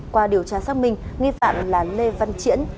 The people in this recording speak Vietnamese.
qua điều tra xác minh nghi phạm là lê văn triển